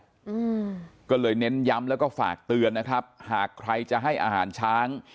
อืมก็เลยเน้นย้ำแล้วก็ฝากเตือนนะครับหากใครจะให้อาหารช้าง